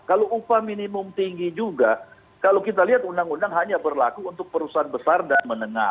kalau upah minimum tinggi juga kalau kita lihat undang undang hanya berlaku untuk perusahaan besar dan menengah